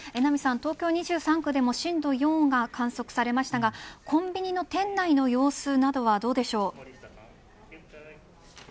東京２３区でも震度４が観測されましたがコンビニの店内の様子などはどうですか。